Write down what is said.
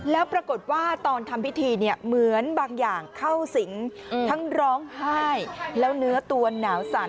แล้วปรากฏว่าตอนทำพิธีเนี่ยเหมือนบางอย่างเข้าสิงทั้งร้องไห้แล้วเนื้อตัวหนาวสั่น